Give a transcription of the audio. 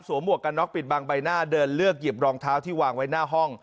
หมวกกันน็อกปิดบางใบหน้าเดินเลือกหยิบรองเท้าที่วางไว้หน้าห้อง